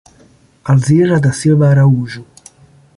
Alzira da Silva Araújo